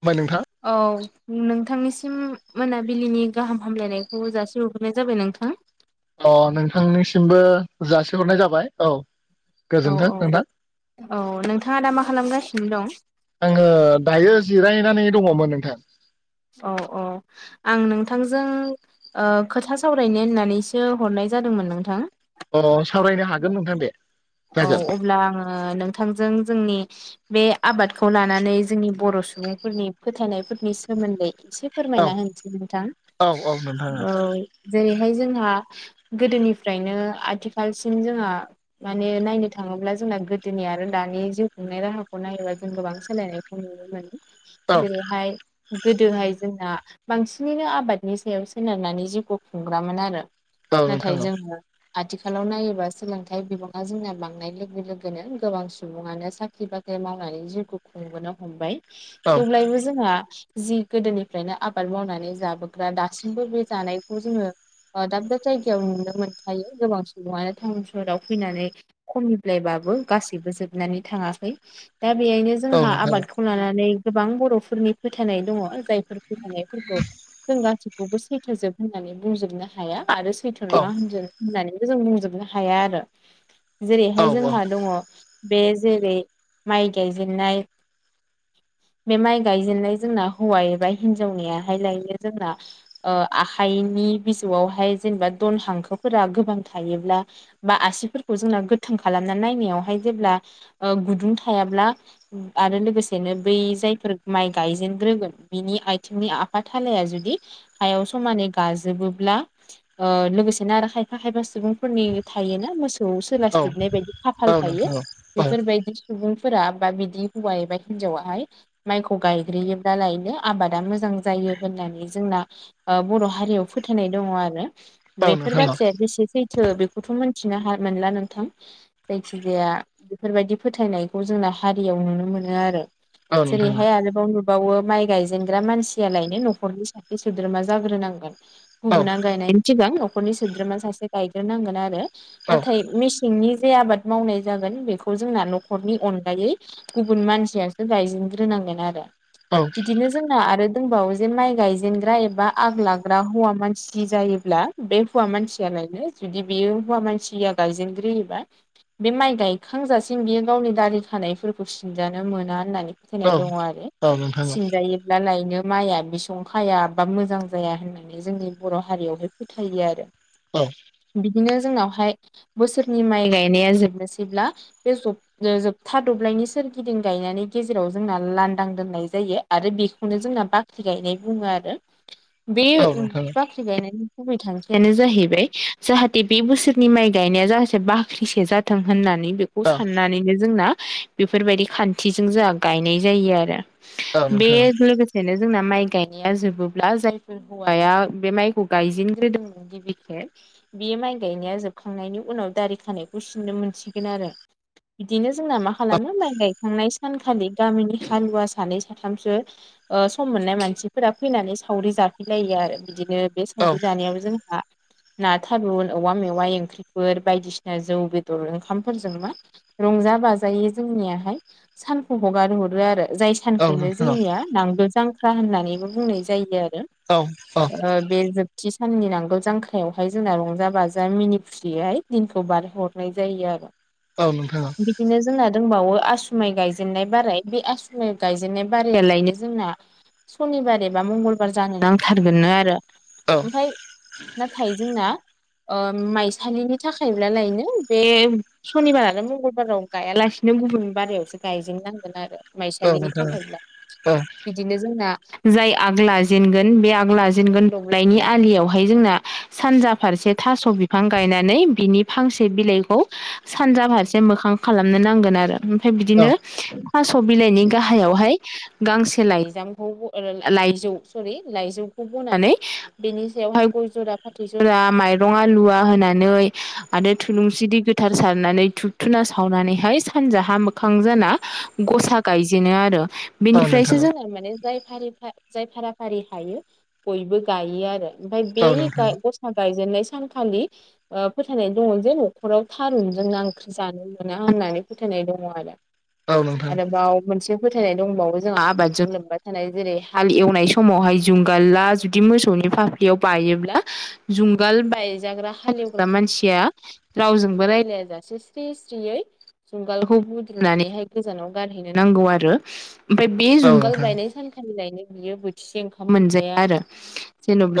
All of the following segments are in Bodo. होमबा नोंथां औ नोंथांनिसिम मोनाबिलिनि गाहाम हामलायनायखौ जासिहरगोनाय जाबाय नोंथां अ नोंथांनिसिमबो जासिहरनाय जाबाय औ औ गोजोन्थों औ नोंथां औ नोंथाङा दा मा खालामगासिनो दं? आङो दायो जिरायनानै दङमोन नोंथां औ औ आं नोंथांजों खोथा ओ सावरायनो होननानैसो हरनाय जादोंमोन नोंथां अ सावरायनो हागोन नोंथां दे औ जागोन अब्ला आङो नोंथांजों जोंनि बे आबादखौ लानानै जोंनि बर सुबुंफोरनि फोथायनायफोरनि सोमोन्दै एसे औ फोरमायना होनोसै नोंथां औ औ नोंथां औ जेरैहाय जोंहा गोदोनिफ्रायनो आथिखालसिम जोंहा माने नायनो थाङोब्ला जोंना गोदोनि आरो दानि जिउ खुंनाय राहाखौ नायोबा जों गोबां सोलायनायखौ नुनो मोनो औ जेरै हाय गोदोहाय जोंना बांसिनैनो आबादनि सायाव सोनारनानै जिउखौ खुंग्रामोन आरो औ नोंथां नाथाय औ जोङो आथिखालाव नायोबा सोलोंथाइ बिबां दा जोंना बांनाय लोगो लोगोनो गोबां सुबुङानो साख्रि बाख्रि मावनानै जिउखौ खुंबोनो हमबाय औ थेव्लायबो जोंहा जि गोदोनिफ्रायनो आबाद मावनानै जाबोग्रा दासिमबो बे जानायखौ जोङो दाब दाब जायगायाव नुनो मोनखायो गोबां सुबुङानो टाउन सहराव फैनानै खम्लायबाबो गाससिबो जोबनानै थाङाखै दा बेहायनो औ जोंहा नोंथां आबादखौ लानानै गोबां बर फोरनि फोथायनाय दङ जायफोर फोथायफोरखौ जों गासै खौबो सैथो जोब होननानै बुंजोबनो हाया आरो सैथो औ नङा होनजोब होननानैबो जों बुंजोबनो हाया आरो औ जेरैहाय जोंहा दङ बे जेरै माइ गायजेननाय बे माइ गायजेननाय जोंना हौवा एबा हिन्जावनियाहाय लायनो जोंना आखाइनि बिजौआवहाय जेनेबा दन हांखोफोरा गोबां थायोब्ला बा आसिफोरखौ जोंना गोथों खालामना नायनायावहाय जेब्ला गुदुं थायाब्ला आरो लोगोसेनो बै जायफोर माइ गायजेनग्रोगोन बिनि आथिंनि आफ थालाया जुदि हायाव समानै गाजोबोब्ला लोगोसे न आरो खायफा खायफा सुबुंफोरनि थायोोना मोसौ आव औ सोलाायसलिबनाय बायदि खाफाल औ थायो नोंथां औ औ बेफोरबायदि सुबुंफोरा बा बिदि हौवा एबा हिनजावाहाय माइखौ गायग्रोयोब्लालायनो आबादा मोजां जायो होननानै जोंना बर' हारियाव फोथायनाय दङ आरो औ बेफोर नोंथां बाथ्राया बेसे सैथो बेखौथ' मोनथिनो ह मोनला नोंथां जायखिजाया बेफोरबायदि फोथायनायखौ जोंना हारियाव नुनो मोनो आरो औ सेर नोंथां हाया न नुबावो माइ गायजेनग्रा मानसियालायनो न'खरनि सासे सोद्रोमा जाग्रोनांगोन औ गुबुुना गायनायनि सिगां न'खरनि सोद्रोमा सासे गायग्रोनांगोन आरो औ नाथाय मि सिंनि जे आबाद मावनाय जागोन बेखौ जोंना न'खरनि अनगायै गुबुन मानसियासो गायजेनग्रोनांगोन आरो औ बिदिनो जोंना आरो दंबावो जे माइ गायजेनग्रा एबा आग लाग्रा हौवा मानसि जायोब्ला बे हौवा मानसियालायनो जुदि बेयो हौवा मानसिया गायजेनग्रोयोबा बे माइ गायखांजासिम बियो गावनि दालि खानायफोरखौ सिनजानो मोना होननानै होनाय दङ आरो औ नोंथां सिनजायो गला लायनो माइया बिसं खायाबा मोजां जाया होननानै माने जोंनि बर' हारियावहाय फोथायो आरो औ बिदिनो जोंनावहाय बोसोरनि माइ गायनाया जोबनोसैब्ला बे जब जोबथा दब्लायनि सोरगिदिं गायनानै गेजेराव जोंना लांदां दोननाय जायो आरो बेखौनो जोंना बाख्रि गायनाय बुङो आरो बे औ नोंथां बाख्रि गायनायनि फाय थांखियानो जाहैबाय जाहाथे बे बोसोरनि माइ गायनाया जाहासे बाख्रिसे जाथों होननानै बेखौ औ साननानैनो जोंना बेफोरबायदि खान्थिजों जोंहा गायनाय जायो आरो औ नोंथां औ बे नोंथां लोगोसे बेनो जोंना माइ गायनाया जोबोब्ला जायफोर हौवाया बे माइखौ गायजेनग्रोदों गिबि खेब बेयो माइ गायनाया जोब खांनायनि उनाव दारि खानायखौ सिननो मोनसिगोन आरो बिदिनो जोंना मा औ खालामो माइ गायखांनाय सानखालि गामिनि हालुवा सानै साथामसो ओ सम मोननाय मानसिफोरा फैनानै सावरि जाफैलायो आरो बिदिनो । बे सावरि जानायाव जोंहा ना थारुन औवा मेवा एं ख्रिफोर बायदिसिना जौ बेदर ओंखामफोरजों मा रंजा बाजायै जोंनिया हाय । सानखौ हगार हरो आरो जाय सानखौनो औ नोंथां औ जोंनिया नांगोल जांख्रा होननानैबो बुंनाय जायो आरो औ औ ओ बे जोबथि साननि नांगोल जांखायाव हाय जोंना रंजा बाजा मिनि खुसियैहाय दिनखौ बारहरनाय जायो आरो । औ नोंथांआ बिदिनो जोंना दंबावो आसुमाइ गायजेननाय बाराय बे आसुमाइ गायजेननाय बारायालायनो जोंना सनिबार एबा मंगलबार जानो नांथारगोननो आरो ओमफाय नाथाय जोंना ओ माइस सालिनि थाखायब्लालायनो बे सनिबारानो मंगलबाराव गायालासिनो गुबुन बारियावसो गायजेननांगोन आरो माइसालिनि थाखायब्ला बिदिनो जोंना जाय आग लाजेनगोन बे आग लाजेनगोन दौलाायनि आलियाव हाय जोंना सानजा फारसे थास' बिफां गायनानै बिनि फांसे बिलाइखौ सानजा फारसे मोखां खालामनो नांगोन आरो फाय औ बिदिनो थास' बिलाइनि गाहायाव हाय गांसे लाइजामखौ लाइजौ सरि लाइजौखौ बनानै बेनि सायाव हाय गय जरा फाथै जरा माइरं आलुवा होना नै आरो थुलुंसि दै गोथार सारनानै थुब थुना सावनानै हाय सानजाहा मोख खांजाना गसा गायजेनो आरो औ बिनिफ्रायसो नोंथां जों माने जाय फारि फा जाय फारा फारि हायो बयबो गायो आरो । ओमफाय औ बे नोंथां गाय गसा गायजेननाय सानखालि ओ फोथायनाय दङ जे न'खराव थारुनजों ना ख्रि जानो मोना होननानै फोथायनाय दङ आरो । औ नोंथां आरो बाव मोनसे फोथायनाय दंबावो जोंहा आबादजों लोबबा थानाय जेरै हाल एवनाय समावहाय जुंगाला जुब दि मोसौ फाफ्लियाव बायोब्ला जुंगाल बायजाग्रा हालिव ग्रा मानसिया रावजोंबो राय्लाया जासे स्रि स्रियै जुंगालखौ बुद्रुनानै हाय गोजानाव गारहैनो नांगौ आरो ओमफाय बे औ जुंगाल नोंथां बायनाय सानखालि लायनो बियो बोथिसे ओंखाम मोनजाया आरो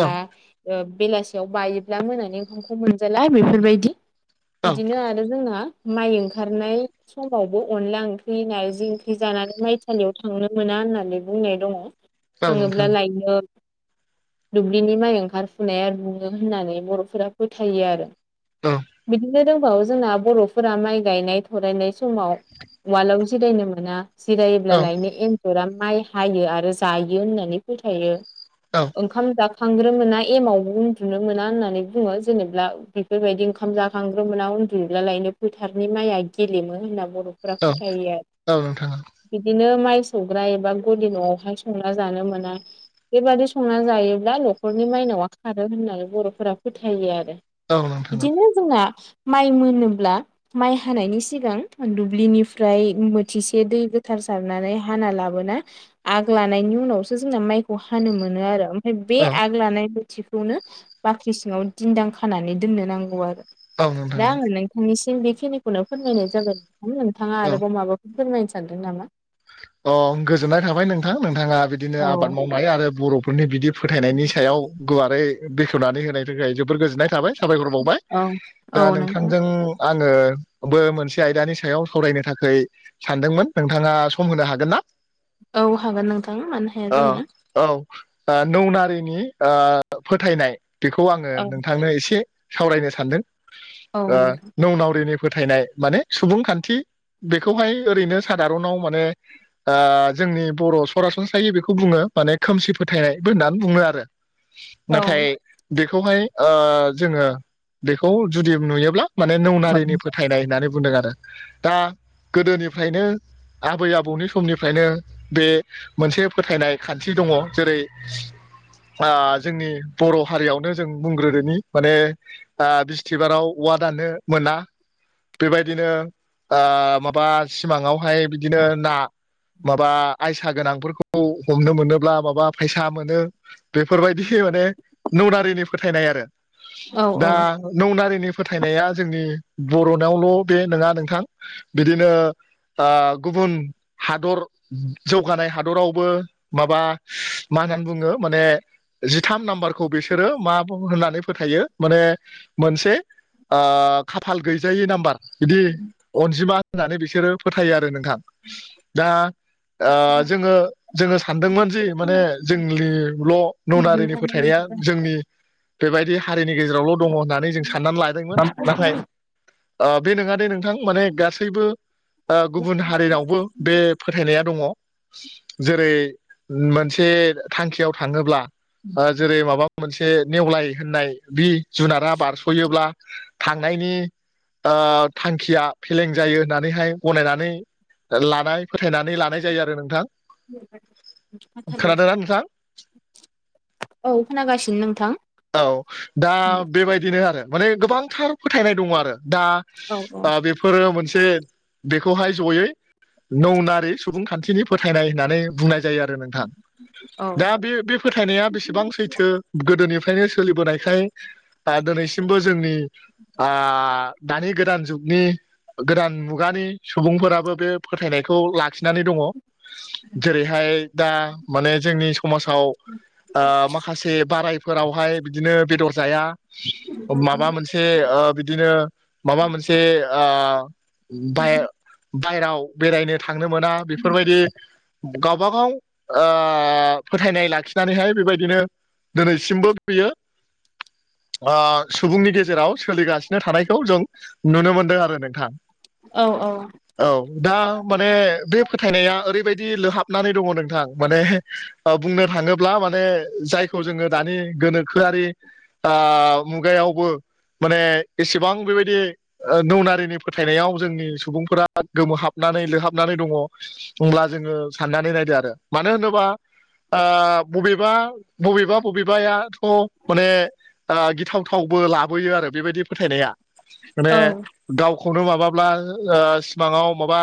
औ ओ बेलासियाव बायोब्ला मोनानि ओंखामखौ मोनजाला बेफोरबायदि । औ बिदिनो आरो जोंना माइ ओंखारनाय समावबो अनला ओंख्रि नारजि ओंख्रि जानानै माइथालियाव थांनो मोना होननानै बुंनाय दङ । औ नोंथां थाङोब्ला लायनो दुब्लिनि माइ ओंखारफुनाया रुङो होननानै बर'फोरा फोथायो आरो औ बिदि दिनो दोंबावो जोंना बर'फोरा माइ गायनाय थरायनाय समाव उवालाव जिरायनो मोना । जिरायोब्ला औ लायनो एन्जरा माइ हायो आरो जायो होननानै फोथायो । ओंखाम जाखांग्रोन मोना एमावबो उन्दुनो मोना होननानै बुङो । जेनेब्ला बेफोरबायदि ओंखाम जाखांग्रोमोना उन्दुला लायनो फोथारनि माइया गेलेमो होनना बर' फोरा औ फोथायो आरो नोंथां । बिदिनो माइ सौग्रा एबा गलि न'आव हाय संना जानो मोना । बेबादि संना जायोब्ला न'खरनि माइनावा खारो होननानै बर'फोरा फोथा यो आरो औ नोंथां औ बिदिनो जोंहा माइ मोनोब्ला माइ हानायनि सिगां दुब्लिनिफ्राय बोथिसे दै गोथार सारनानै हाना लाबोना आग लानायनि उनावसो जोंना माइखौ हानो मोनो आरो बे आग लानाय बोथिखौनो बाख्रि सिङाव दिदां खानानै दोननो नांगौ आरो औ । नोंथां दा औ आङो नोंथांनिसिम बेखिनिखौनो फोरमायनाय जागोन नोंथाङा आरोबाव माबाफोर फोरमायनो सानदों नामा? अ गोजोननाय थाबाय नोंथां नोंथाङा बिदिनो आबाद औ मावनाय आरो बर'फोरनि बिदि फोथायनायनि सायाव गुवारै बेखेवनानै होनाय थाखाय जोोबद गोजोननाय थाबाय साबायखर बावबाय औ । औ दा नोंथां नोंथांजों आङो बो मोनसे आयदानि सायाव सावरायनो थाखाय सानदोंमोन नोंथाङा सम होनो हागोन ना? औ हागोन नोंथां मानो हाया औ जानो औ नौनारिनि ओ फोथायनाय बेखौ आङो औ नोंथांनो एसे सावरायनो औ सानदों नोंथां नौ नावरिनि फोथायनाय माने सुबुंखान्थि बेखौहाय ओरैनो सादारनाव माने ओ जोंनि बर' सरासनस्रायै बेखौ बुङो माने खोमसि फोथायनाय होननानै बुङो आरो [inaudible] नाथाय बेखौहाय ओ जोङो बेखौ जुदि नुयोब्ला माने नौनारिनि फोथायनाय होननानै बुंदों आरो दा गोदोनिफ्रायनो आबै आब बौनि समनिफ्रायनो बे मोनसे फोथायनाय खान्थि दङ जेरै आ जोंनि बर' हारियावनो जों बुंग्रोदोनि माने आ बिस्थिबाराव अवा दाननो मोना बेबायदिनो ओ माबा सिमाङावहाय बिदिनो ना माबा आयसा गोनांफोरखौ हमनो मोनोब्ला माबा फैसा मोनो बेफोरबायदि माने ननारिनि फोथायनाय आरो औ दा नौनारिनि फोथायनाया जोंनि बर'नावल' बे नङा नोंथां बिदिनो ओ गुबुन हादर जौगानाय हादरावबो माबा मा होननानै बुङो माने जिथाम नाम्बारखौ बिसोरो मा होननानै फोथायो माने मोनसे ओ खाफाल गैजायै नाम्बार बिदि अनजिमा होननानै बिसोरो फोथायो आरो नोंथां दा ओ जोङो जोङो सानदोंमोन जि माने जोंनिल' नौनारिनि फोथायनाया जोंनि बेबायदि हारिनि गेजेरावल' दङ' होननानै जों साननानै लादोंमोन नाथाय ओ बे नङादे नोंथां माने गासैबो गुबुन हारिनाव बे फोथायनाया दङ' जेरै मोनसे थांखियाव थाङोब्ला जेरै माबा मोनसे नेवलाय होननाय बि जुनारा बारस'योब्ला थांनायनि ओ थांखिया फेलें जायो होननानैहाय गनायनानै लानाय फोथायनानै लानाय जायो आरो नोंथां खोनादोंना [unintelligible] नोंथां औ खोनागासिनो नोंथां औ दा बेबायदिनो आरो माने गोबांथार फोथायनाय दङ' आरो दा औ बा बेफोरो मोनसे बेखौहाय जयै नौनारि सुबुंखान्थिनि फोथायनाय होननानै बुंनाय जायो आरो नोंथां औ दा बे फोथायनाया बेसेबां सैथो गोदोनिफ्रायनो सोलिबोनायखाय दिनैसिमबो जोंनि दानि गोदान जुगनि गोदान मुगानि सुबुंफोराबो बे फोथायनायखौ लाखिनानै दङ' जेरैहाय दा माने जोंनि समाजाव ओ माख खासे बारायफोरावहाय बिदिनो बेदर जाया माबा मोनसे से ओ बिदिनो माबा मोनसे ओ बाय बायेराव बेरायनो थांनो मोना बेफोरबायदि गावबागाव फोथायनाय लाखिनानैहाय बेबायदिनो बो बियो सुबुंनि गेजेराव सोलिगासिनो थानायखौ जों नुनो मोनदों आरो नोंथां औ औ दा माने बे फोथायनाया ओरैबायदि लोहाबनानै दङ' नोंथां माने बुंनो थाङोब्ला माने जायखौ जोङो दानि गोनोखोआरि मुगायावबो माने एसेबां बेबायदि नौनारिनि फोथायनायाव जोंनि सुबुंफोरा गोमोहाबनानै लोहाबनानै दङ' अब्ला जोङो साननानै नायदो आरो मानो होनोबा ओ बबेबा बबेबा बबेबायाथ' माने गिथावथावबो लाबोयो आरो बेबायदि फोथायनाया माने औ गावखौनो माबाब्ला ओ सिमाङाव माबा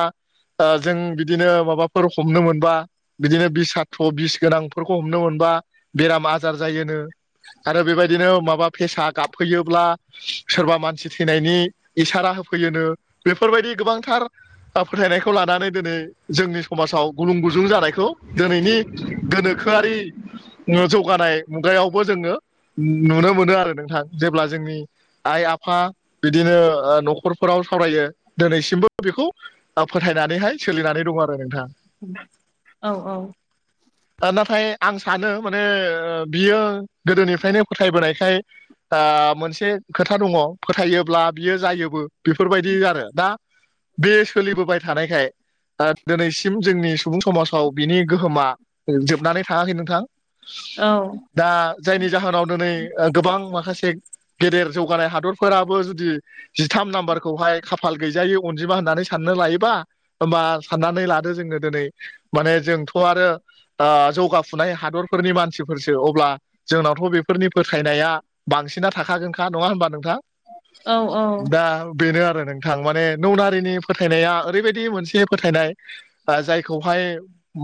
ओ जों बिदिनो माबाफोर हमनो मोनबा बिदिनो बिस सत्र' बिस गोनांफोरखौ हमनो मोनबा बेराम आजार जायोनो आरो बेबायदिनो माबा फेसा गाबफैयोब्ला सोरबा मानसि थैनायनि इसारा होफैयोनो बेफोरबायदि गोबांथार फोथायनायखौ लानानै दिनै जोंनि समाजाव गुलुं गुजुं जानायखौ दिनैनि गोनोखोआरि जौ जौगानाय मुगायावबो जोङो नुनो मोनो आरो नोंथां जेब्ला जोंनि आइ आफा बिदिनो ओ न'खरफोराव सावरायो दिनैसिमबो बेखौ फोथायनानैहाय सोलिनानै दं आरो नोंथां औ औ ओ नाथाय आं सानो माने ओ बियो गोदोनिफ्रायनो फोथायबोनायखाय ओ मोनसे खोथा दङ फोथायोब्ला बियो जायोबो बेफोरबायदि आरो दा बे सोलिबोबाय थानायखाय दिनैसिम जोंनि सुबुं समाजाव बिनि गोहोमा जोबनानै थाङाखै नोंथां औ दा जायनि जाहोनाव दिनै ओ गोबां माखासे गेदेर जौगानाय हादरफोराबो जुदि जिथाम नाम्बारखौहाय खाफाल गैजायै अनजिमा होननानै साननो लायोबा होमबा साननानै लादो जोङो दिनै माने जोंथ' आरो ओ जौगाफुनाय हादरफोरनि मानसिफोर फोरसो अब्ला जोंनावथ' बेफोरनि फोथायनाया बांसिना थाखागोनखा नङा होनोमबा नोंथां औ औ दा बेनो आरो नोंथां माने नौनारिनि फोथायनाया ओरैबायदि मोनसे फोथायनाय जायखौहाय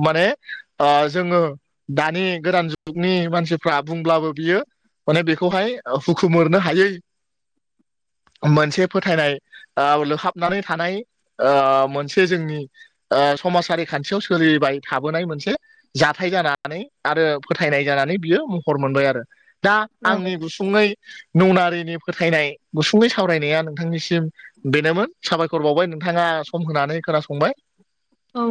माने ओ जोङो दानि गोदान ज जुगनि मानसिफ्रा बुंब्लाबो बियो माने बेखौहाय हुखुमोरनो हायै मोनसे फोथायनाय ओ लोहाबनानै थानाय ओ मोनसे जोंनि ओ समाजारि खान्थियाव सोलिबाय थाबोनाय मोनसे जाथाय जानानै आरो फोथायनाय जानानै बियो महर मोनबाय आरो दा आंनि गुसुं गुसुङै नौनारिनि फोथायनाय गुसुङै सावरायनाया नोंथांनिसिम बेनोमोन साबायखर बावबाय नोंथाङा सम होनानै खोनासंबाय औ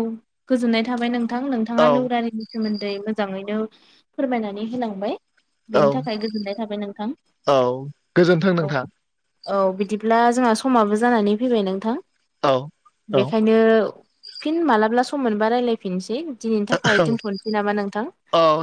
गोजोननाय थाबाय नोंथां नोंथाङा औ नौरारि सोमोन्दै मोजाङैनो फोरमायनानै होनोलांबाय औ बेनि थाखाय गोजोननाय थाबाय नोंथां औ गोजोन्थों औ। नोंथां औ बिदिब्ला जोंहा समाबो जानानै फैबाय नोंथां औ औ बेखायनो फिन मालाब्ला सम मोनबा रायजलायफिनसै दिनैनि थाखाय औ दोनथ'नोसै नामा नोंथां? औ